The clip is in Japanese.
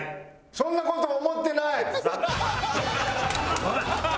そんな事思ってない！